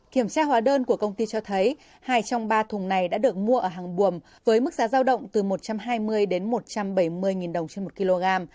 kiểm tra hóa đơn của công ty cho thấy hai trong ba thùng này đã được mua ở hàng buồm với mức giá giao động từ một trăm hai mươi đến một trăm bảy mươi đồng trên một kg